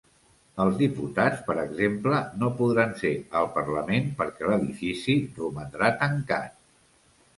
Els diputats, per exemple, no podran ser al parlament perquè l’edifici romandrà tancat.